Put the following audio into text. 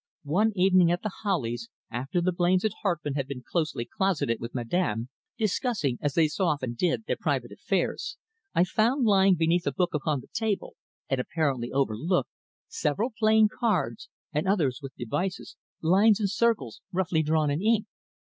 One evening at The Hollies, after the Blains and Hartmann had been closely closeted with Madame, discussing, as they so often did, their private affairs, I found lying beneath a book upon the table, and apparently overlooked, several plain cards, and others with devices, lines and circles roughly drawn in ink.